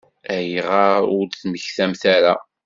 Ayɣer ur d-temmektamt ara?